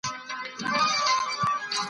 پدیدې خپل ځانګړي قوانین لري.